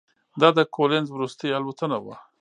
دا د کولینز وروستۍ الوتنه وه.